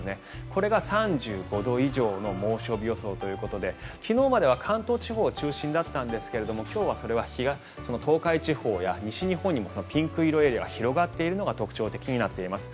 これが３５度以上の猛暑日予想ということで昨日までは関東地方中心だったんですけれども今日はそれは東海地方や西日本にもそのピンク色のエリアが広がっているのが特徴になっています。